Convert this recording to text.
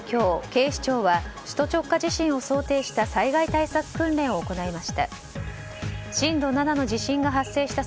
警視庁は首都直下地震を想定した災害対策訓練を行いました。